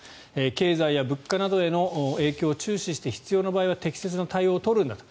経済や物価などへの影響を注視して必要な場合は適切な対応を取るんだと。